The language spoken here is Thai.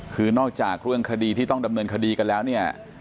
คือนอกจากเรื่องคดีที่ต้องดำเนินคดีกันแล้วเนี่ย